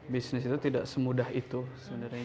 bisnis itu tidak semudah itu sebenarnya